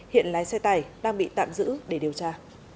hiện lái xe tải đang bị tạm giữ để điều tra